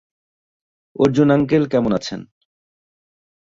Arjun uncle কেমন আছেন?